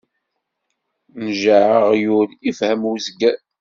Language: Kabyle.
Njeɛ aɣyul, ifhem uzger.